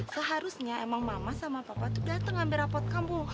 seharusnya emang mama sama papa tuh dateng ambil rapat kamu